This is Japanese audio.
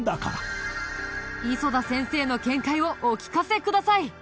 磯田先生の見解をお聞かせください。